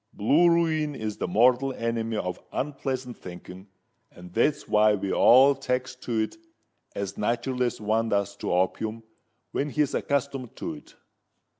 Blue ruin is the mortal enemy of unpleasant thinking—and that's why we all takes to it as nat'ral as one does to opium when he's accustomed to it."